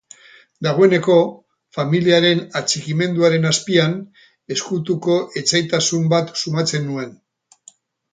Dagoeneko, familiaren atxikimenduaren azpian, ezkutuko etsaitasun bat sumatzen nuen.